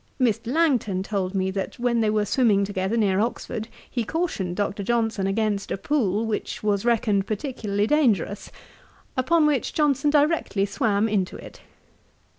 Mr. Langton told me, that when they were swimming together near Oxford, he cautioned Dr. Johnson against a pool, which was reckoned particularly dangerous; upon which Johnson directly swam into it.